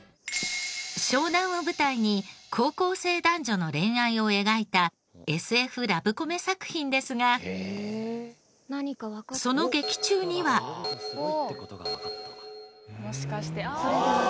湘南を舞台に高校生男女の恋愛を描いたＳＦラブコメ作品ですがその劇中には。もしかしてああ！